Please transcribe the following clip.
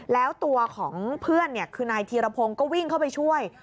แล้วตัวของเพื่อนคือนายธีรพงศ์ก็วิ่งเข้าไปช่วย